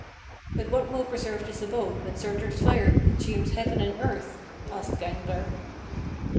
"But what will preserve this abode when Surtur's fire consumes heaven and earth?" asked Gangler.